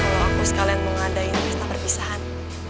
kalau aku sekalian mau ngadain resta perpisahan